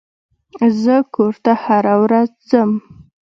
زه کور ته هره ورځ ځم.